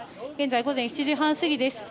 午前７時半過ぎです。